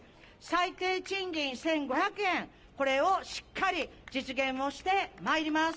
最低賃金１５００円、これをしっかり実現をしてまいります。